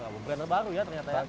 kamu brand baru ya ternyata ya